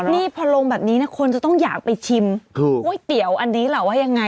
นี่พอลงแบบนี้นะคนจะต้องอยากไปชิมก๋วยเตี๋ยวอันนี้แหละว่ายังไง